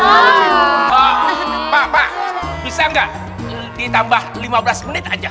pak pak bisa nggak ditambah lima belas menit aja